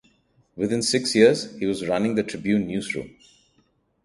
Within six years he was running the Tribune newsroom.